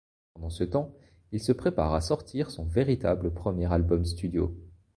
Pendant ce temps, il se prépare à sortir son véritable premier album studio.